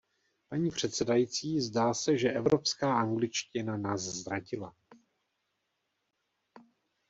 Paní předsedající, zdá se, že evropská angličtina nás zradila.